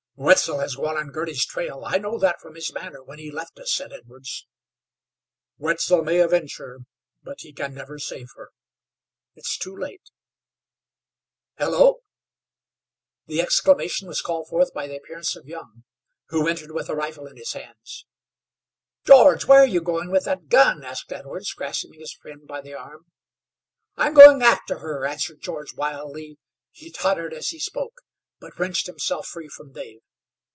"Wetzel has gone on Girty's trail. I know that from his manner when he left us," said Edwards. "Wetzel may avenge her, but he can never save her. It's too late. Hello " The exclamation was called forth by the appearance of Young, who entered with a rifle in his hands. "George, where are you going with that gun?" asked Edwards, grasping his friend by the arm. "I'm going after her," answered George wildly. He tottered as he spoke, but wrenched himself free from Dave.